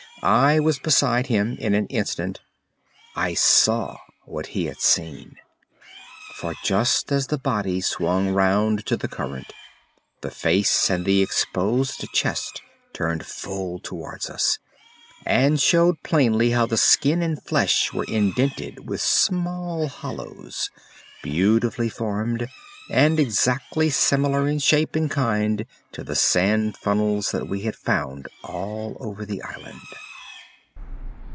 I was beside him in an instant. I saw what he had seen. For just as the body swung round to the current the face and the exposed chest turned full towards us, and showed plainly how the skin and flesh were indented with small hollows, beautifully formed, and exactly similar in shape and kind to the sand funnels that we had found all over the island.